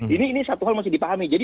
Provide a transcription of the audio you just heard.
ini satu hal masih dipahami